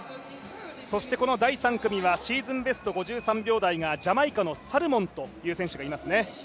そして、第３組はシーズンベスト５３秒台ジャマイカのサルモンという選手がいますね。